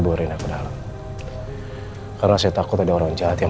borin aku dalam karena saya takut ada orang jahat yang